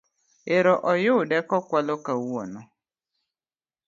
Ero oyude kokwalo kawuono